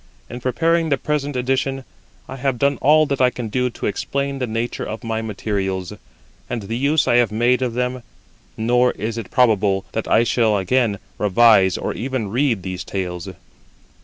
In preparing the present edition, I have done all that I can do to explain the nature of my materials, and the use I have made of them; nor is it probable that I shall again revise or even read these tales.